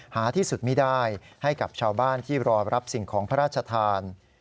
หาที่สุดไม่ได้ให้กับชาวบ้านที่รอรับสิ่งของพระราชทาน